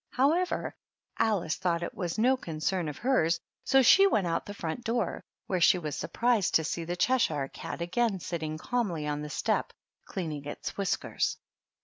However, Alice thought it was no concern of hers, so she went out to the front door, where she was surprised to see the Cheshire cat again sitting calmly on the step cleaning its whiskers.